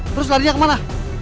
terus larinya kemana